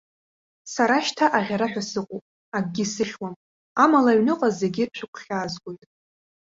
Сара шьҭа аӷьараҳәа сыҟоуп, акгьы сыхьуам, амала аҩныҟа зегьы шәыгәхьаазгоит.